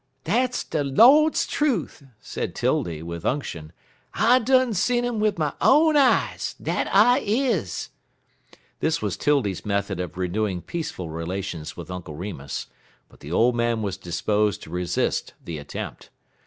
"Dat's de Lord's truth!" said 'Tildy, with unction. "I done seed um wid my own eyes. Dat I is." This was 'Tildy's method of renewing peaceful relations with Uncle Remus, but the old man was disposed to resist the attempt.